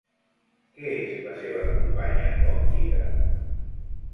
Què és la seva companya òptica?